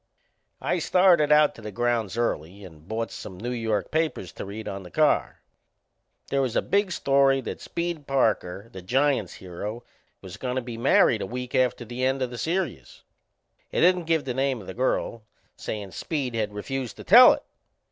I started out to the grounds early and bought some New York papers to read on the car. They was a big story that Speed Parker, the Giants' hero, was goin' to be married a week after the end o' the serious. It didn't give the name o' the girl, sayin' Speed had refused to tell it.